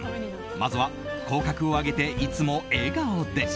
まずは口角を上げていつも笑顔で。